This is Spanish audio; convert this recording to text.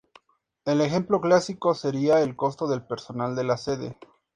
El ejemplo clásico sería el costo del personal de la sede.